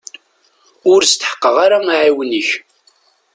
Ur steḥqeɣ ara aɛiwen-ik.